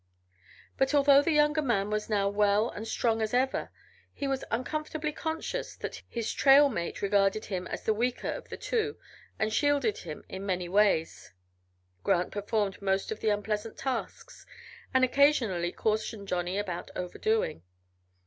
But although the younger man was now as well and strong as ever, he was uncomfortably conscious that his trail mate regarded him as the weaker of the two and shielded him in many ways. Grant performed most of the unpleasant tasks, and occasionally cautioned Johnny about overdoing.